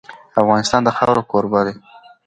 افغانستان د خاوره کوربه دی.